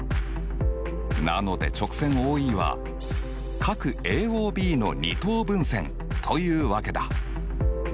なので直線ＯＥは角ＡＯＢの二等分線というわけだ！